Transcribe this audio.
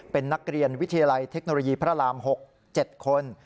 เป็นนักเรียนวิทยาลัยเทคโนโลยีพระราม๖๗คน